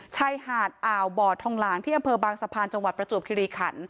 ชายหาดอ่าวบอดทองหลางที่อำเภอบางสะพานจังหวัดประจวบคิริขัน